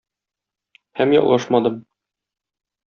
Һәм ялгышмадым.